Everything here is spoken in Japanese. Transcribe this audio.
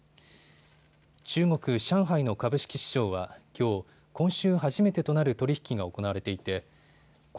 中国・上海の株式市場はきょう今週初めてとなる取り引きが行われていて恒